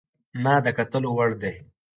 نه د کتلو وړ دى،